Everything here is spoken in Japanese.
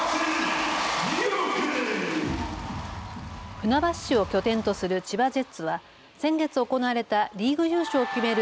船橋市を拠点とする千葉ジェッツは先月行われたリーグ優勝を決める